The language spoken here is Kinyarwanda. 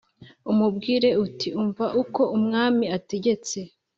umubwire uti Umva uko Umwami ategetse